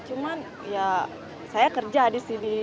cuman ya saya kerja disini